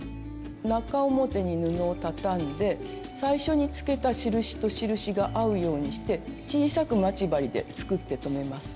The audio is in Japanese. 中表に布を畳んで最初につけた印と印が合うようにして小さく待ち針ですくって留めます。